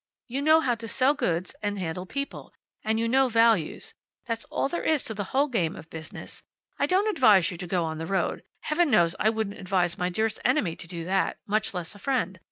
You know how to sell goods and handle people. And you know values. That's all there is to the whole game of business. I don't advise you to go on the road. Heaven knows I wouldn't advise my dearest enemy to do that, much less a friend.